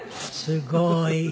すごい。